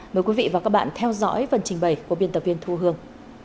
mời quý vị và các bạn theo dõi phần trình bày của biên tập viên thu hương